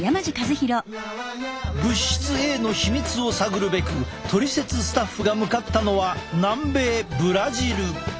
物質Ａの秘密を探るべくトリセツスタッフが向かったのは南米ブラジル。